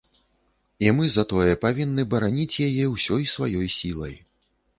І мы затое павінны бараніць яе ўсёй сваёй сілай.